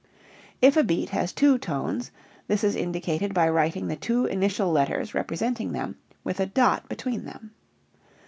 If a beat has two tones this is indicated by writing the two initial letters representing them with a . between them.